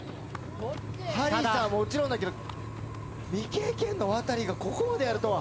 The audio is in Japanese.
ハリーさんはもちろんだけど未経験のワタリがここまでやるとは。